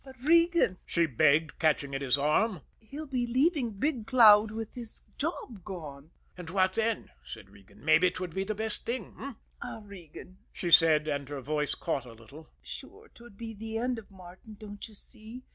"But, Regan," she begged, catching at his arm, "he'll be leaving Big Cloud with his job gone." "And what then?" said Regan. "Mabbe 'twould be the best thing h'm?" "Ah, Regan," she said, and her voice caught a little, "sure, 'twould be the end of Martin, don't you see?